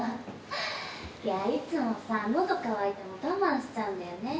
いつもさ喉渇いても我慢しちゃうんだよね